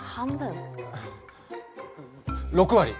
６割。